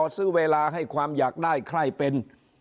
ซื้อเวลาให้ความอยากได้ใครเป็น